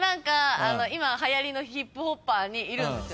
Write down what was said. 今はやりのヒップホッパーにいるんです。